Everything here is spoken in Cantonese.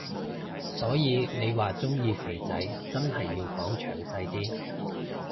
所以你話鍾意肥仔真係要講詳細啲